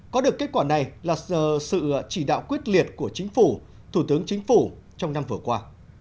có được kết quả này là sự chỉ đạo quyết liệt của chính phủ thủ tướng chính phủ trong năm vừa qua